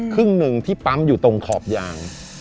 ครึ่งหนึ่งที่ปั๊มอยู่ตรงขอบยาง